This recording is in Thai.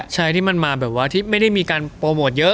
ใช่ที่มันมาแบบว่าที่ไม่ได้มีการโปรโมทเยอะ